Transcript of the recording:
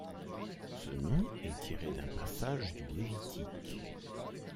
Ce nom est tiré d'un passage du Lévitique.